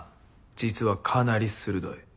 実はかなり鋭い。